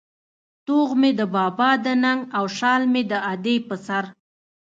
توغ مې د بابا د ننگ او شال مې د ادې په سر